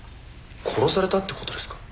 殺されたって事ですか？